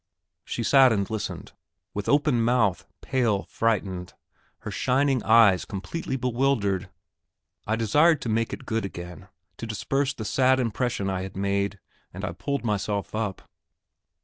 She sat and listened, with open mouth, pale, frightened, her shining eyes completely bewildered. I desired to make it good again, to disperse the sad impression I had made, and I pulled myself up.